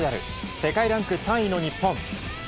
世界ランク３位の日本。